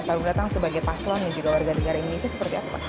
selalu datang sebagai paslon dan juga warga negara indonesia seperti apa pak